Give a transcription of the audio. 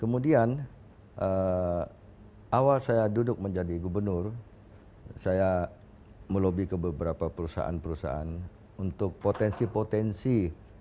kemudian awal saya duduk menjadi gubernur saya melobi ke beberapa perusahaan perusahaan untuk potensi potensi yang ada di kalimantan utara ini